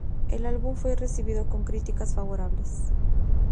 El álbum fue recibido con críticas favorables.